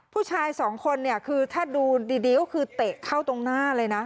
ผู้ชายสองคนเนี่ยคือถ้าดูดีก็คือเตะเข้าตรงหน้าเลยนะ